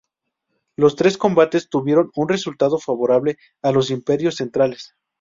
Los tres combates tuvieron un resultado favorable a los Imperios Centrales.